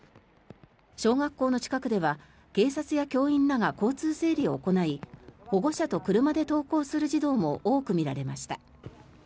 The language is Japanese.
小学校の近くでは警察や教員らが交通整理を行い保護者と車で登校する児童も多く見られました。